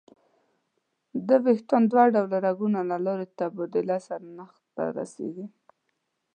د ویښته ډوله رګونو له لارې تبادله سر ته رسېږي.